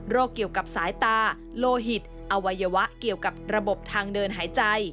เกี่ยวกับสายตาโลหิตอวัยวะเกี่ยวกับระบบทางเดินหายใจ